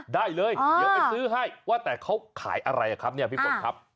ได้เลยเดี๋ยวไปซื้อให้ว่าแต่เขาขายอะไรครับเนี่ยพี่ฝนครับ